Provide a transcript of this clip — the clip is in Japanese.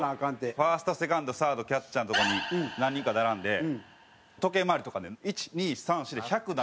ファーストセカンドサードキャッチャーの所に何人か並んで時計回りとかで１２３４で１００ならな終われへんって。